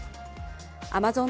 アマゾン